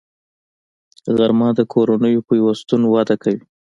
غرمه د کورنیو پیوستون وده کوي